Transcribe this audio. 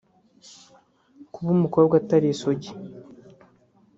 Kuba umukobwa atari isugi